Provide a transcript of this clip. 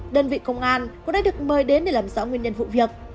đơn vị công an cũng đã được mời đến để làm rõ nguyên nhân vụ việc